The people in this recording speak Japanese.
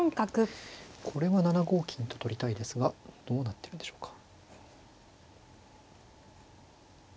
これは７五金と取りたいですがどうなってるんでしょうか。